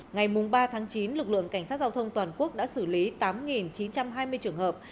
ngày ba chín lực lượng cảnh sát giao thông toàn quốc đã xử lý tám chín trăm hai mươi trường hợp